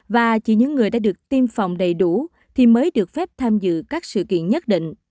và chỉ những người đã được tiêm phòng đầy đủ thì mới được phép tham dự các sản xuất